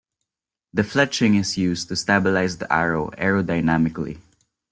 The fletching is used to stabilize the arrow aerodynamically.